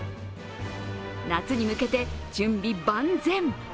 夏に向けて準備万全。